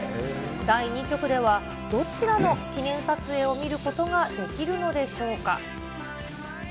第２局では、どちらの記念撮影を見ることができるのでしょうか。